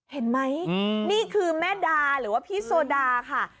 เห็นไหมนี่คือแม่ดาหรือว่าพี่โซดาค่ะ